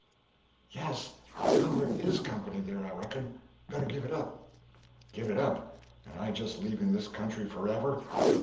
"Yes. Well, there is company there, I reckon. Better give it up." "Give it up, and I just leaving this country forever!